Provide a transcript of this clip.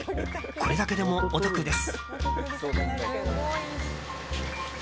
これだけでもお得です。